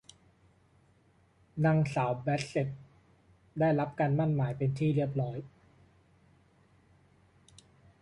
นางสาว แบสเส็ตท์ ได้รับการหมั้นหมายเป็นที่เรียบร้อย